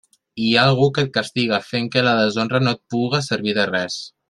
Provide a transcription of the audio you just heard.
Hi ha algú que et castiga, fent que la deshonra no et puga servir de res.